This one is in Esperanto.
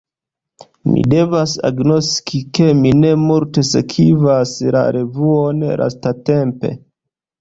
Mi devas agnoski, ke mi ne multe sekvas la revuon lastatempe.